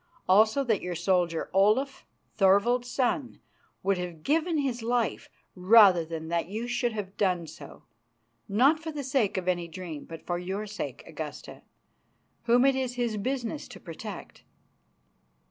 Also that your soldier, Olaf, Thorvald's son, would have given his life rather than that you should have done so, not for the sake of any dream, but for your sake, Augusta, whom it is his business to protect."